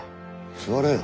座れよ。